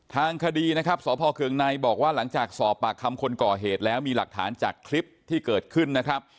ทางคดีนะครับสพเคืองในบอกว่าหลังจากสอบปากคำคนก่อเหตุแล้วมีหลักฐานจากคลิปที่เกิดขึ้นนะครับ